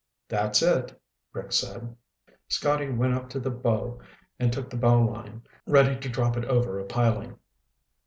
"That's it," Rick said. Scotty went up to the bow and took the bow line, ready to drop it over a piling.